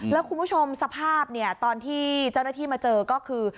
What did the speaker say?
แล้วคุณผู้ชมสภาพตอนที่เจ้าหน้าที่มาเจอก็คือ